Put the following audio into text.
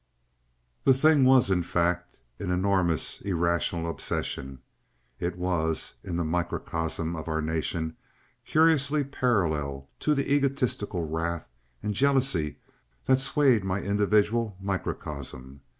The thing was, in fact, an enormous irrational obsession, it was, in the microcosm of our nation, curiously parallel to the egotistical wrath and jealousy that swayed my individual microcosm.